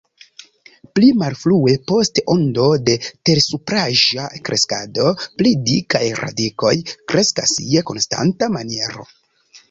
Pli malfrue, post ondo de tersupraĵa kreskado, pli dikaj radikoj kreskas je konstanta maniero.